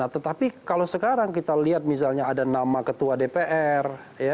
tetapi kalau sekarang kita lihat misalnya ada nama ketua dpr